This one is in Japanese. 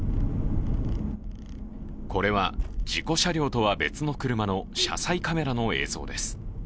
これは事故車両とは別の車の車載カメラの映像です。